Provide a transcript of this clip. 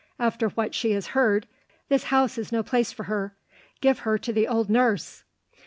"After what she has heard, this house is no place for her. Give her to the old nurse!"